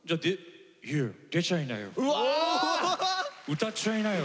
歌っちゃいなよ！